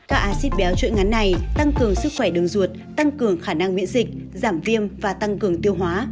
các acid béo chuỗi ngắn này tăng cường sức khỏe đường ruột tăng cường khả năng miễn dịch giảm viêm và tăng cường tiêu hóa